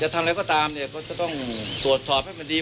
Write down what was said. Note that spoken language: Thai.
จะทำอะไรก็ตามเนี่ยก็ต้องสดชอบให้มันดี